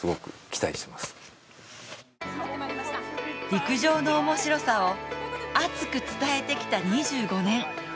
陸上の面白さを熱く伝えてきた２５年。